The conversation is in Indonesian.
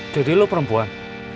jadi lu perempuan